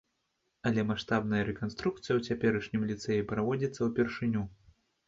Але маштабная рэканструкцыя ў цяперашнім ліцэі праводзіцца ўпершыню.